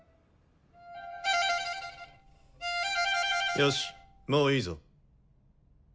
よしもういいぞ。